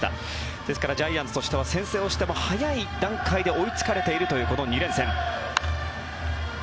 ですから、ジャイアンツとしては先制をしても早い段階で追いつかれているというこの２連戦。